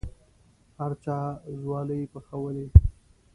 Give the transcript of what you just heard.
هر چا ځوالې پخولې.